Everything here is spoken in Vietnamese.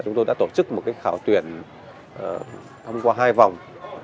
chúng tôi đã tổ chức một khảo tuyển thông qua hai vòng